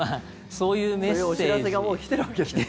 そういうお知らせがもう来てるわけですね。